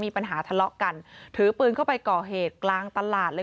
ทะเลาะกันถือปืนเข้าไปก่อเหตุกลางตลาดเลย